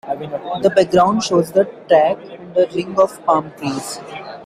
The background shows the track and a ring of palm trees.